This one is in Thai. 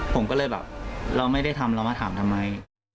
ผมก็เลยแบบเราไม่ได้ทำเรามาถามทำไม